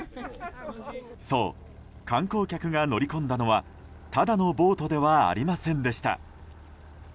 そう、観光客が乗り込んだのはただのボートではありませんでした。